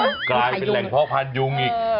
กลายเป็นแหล่งเพาะพันธุยุงอีก